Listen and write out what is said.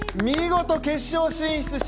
見事決勝進出。